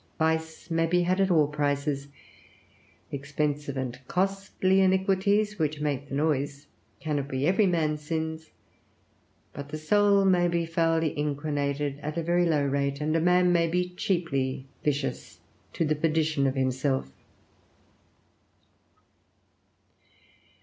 Vice may be had at all prices; expensive and costly iniquities, which make the noise, cannot be every man's sins; but the soul may be foully inquinated at a very low rate, and a man may be cheaply vicious to the perdition of himself.